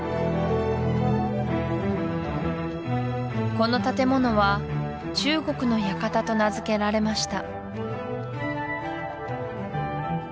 この建物は中国の館と名付けられました